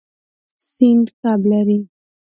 سیند کب لري.